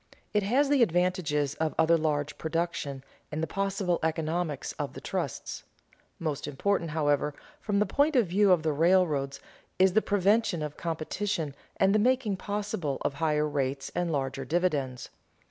It has the advantages of other large production and the possible economies of the trusts. Most important, however, from the point of view of the railroads, is the prevention of competition and the making possible of higher rates and larger dividends.